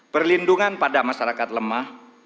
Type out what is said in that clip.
perlindungan pada masyarakat lemah